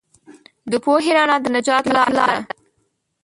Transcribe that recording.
د پوهې رڼا د نجات لار ده.